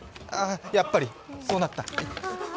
やっぱりこうなった。